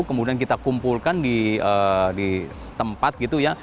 kemudian kita kumpulkan di tempat gitu ya